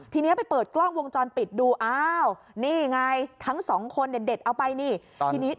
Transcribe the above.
ทีนี้ไปเปิดกล้องวงจรปิดดูนี่ไงทั้งสองคนเด็ดเอาไปนี่